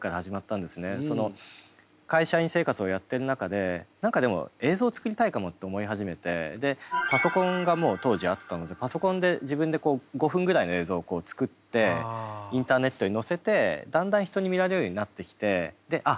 会社員生活をやってる中で何かでも映像作りたいかもって思い始めてでパソコンがもう当時あったのでパソコンで自分で５分ぐらいの映像を作ってインターネットに載せてだんだん人に見られるようになってきてあっ